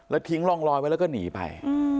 ทิ้งร่องรอยไว้แล้วก็หนีไป